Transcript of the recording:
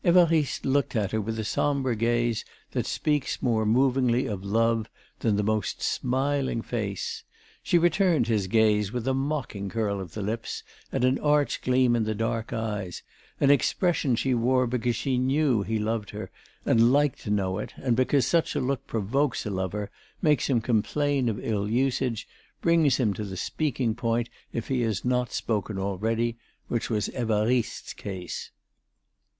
Évariste looked at her with the sombre gaze that speaks more movingly of love than the most smiling face. She returned his gaze with a mocking curl of the lips and an arch gleam in the dark eyes, an expression she wore because she knew he loved her and liked to know it and because such a look provokes a lover, makes him complain of ill usage, brings him to the speaking point, if he has not spoken already, which was Évariste's case.